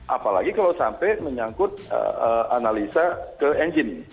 apalagi kalau sampai menyangkut analisa ke engine